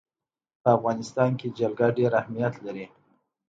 په افغانستان کې جلګه ډېر اهمیت لري.